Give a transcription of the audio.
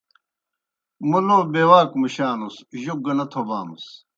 مو لو بے واک مُشانُس، جوک گہ نہ تھوبامَس۔